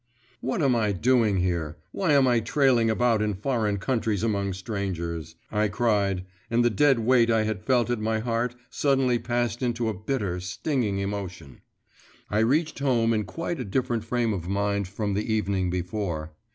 'What am I doing here, why am I trailing about in foreign countries among strangers?' I cried, and the dead weight I had felt at my heart suddenly passed into a bitter, stinging emotion. I reached home in quite a different frame of mind from the evening before.